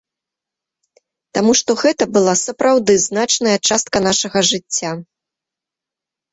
Таму што гэта была сапраўды значная частка нашага жыцця.